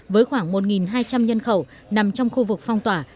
với khoảng một hai trăm linh nhân khẩu nằm trong khu vực phong tỏa